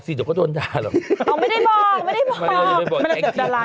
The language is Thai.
สิเดี๋ยวก็โดนด่าหรอกอ๋อไม่ได้บอกไม่ได้บอกแต่ดาราน